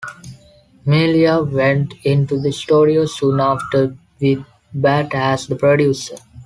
Melua went into the studio soon after with Batt as the producer.